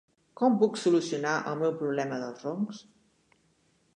Com puc solucionar el meu problema dels roncs?